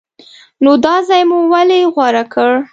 نو دا ځای مو ولې غوره کړ؟